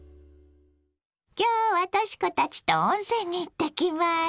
今日はとし子たちと温泉に行ってきます。